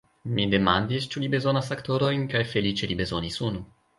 Mi demandis, ĉu li bezonas aktorojn kaj feliĉe li bezonis unu.